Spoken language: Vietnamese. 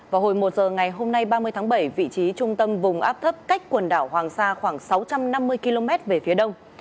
vào hồi một giờ ngày hôm nay ba mươi tháng bảy vị trí trung tâm vùng áp thấp cách quần đảo hoàng sa khoảng sáu trăm năm mươi km về phía đông